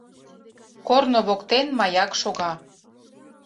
Корно воктен маяк шога.